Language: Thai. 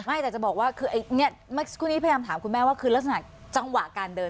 ไม่แต่จะบอกว่าคุณพยายามถามคุณแม่ว่าคือลักษณะจังหวะการเดิน